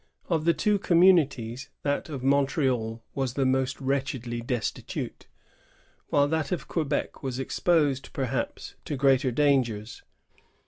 Of the two communities, that of Montreal was the more wretch edly destitute, whilei that of Quebec was exposed, perhaps, to greater dangers.